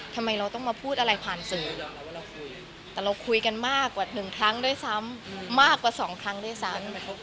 ทำไมเราต้องมาพูดอะไรผ่านสื่อว่าเราคุยแต่เราคุยกันมากกว่าหนึ่งครั้งด้วยซ้ำมากกว่าสองครั้งด้วยซ้ำ